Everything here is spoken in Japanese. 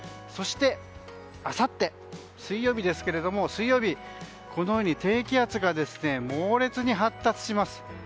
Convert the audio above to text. そしてあさって水曜日はこのように低気圧が猛烈に発達します。